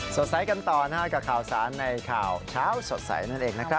สดใสกันต่อกับข่าวสารในข่าวเช้าสดใสนั่นเองนะครับ